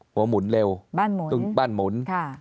หัวหมุนเร็วบ้านหมุน